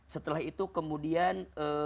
setelah itu kemudian